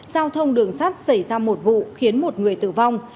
giao thông đường sắt xảy ra một vụ khiến một người tử vong